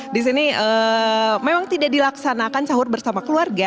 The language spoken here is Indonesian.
di sini memang tidak dilaksanakan sahur bersama keluarga